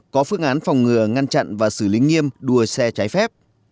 có phương án phòng ngừa ngăn chặn và xử lý nghiêm đua xe trái phép